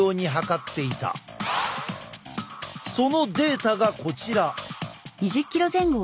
そのデータがこちら。